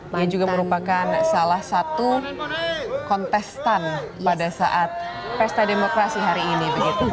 dia juga merupakan salah satu kontestan pada saat pesta demokrasi hari ini